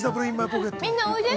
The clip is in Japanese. みんなおいで。